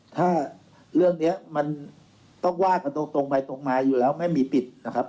ถ้าเรื่องนี้มันต้องว่ากันตรงไปตรงมาอยู่แล้วไม่มีปิดนะครับ